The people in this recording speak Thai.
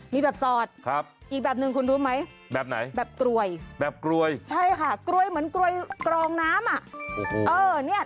นี่แบบซอดอีกแบบหนึ่งคุณรู้ไหมแบบกล้วยใช่ค่ะกล้วยเหมือนกล้องน้ำ